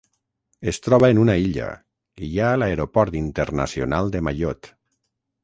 Es troba en una illa i hi ha l'aeroport internacional de Mayotte.